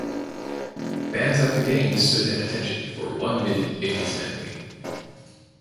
Fans at the game stood at attention for one minute in his memory.